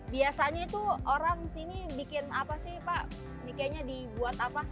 biasanya itu orang sini bikin apa sih pak nikenya dibuat apa